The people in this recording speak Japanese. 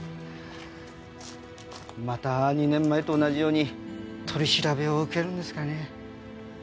また２年前と同じように取り調べを受けるんですかね？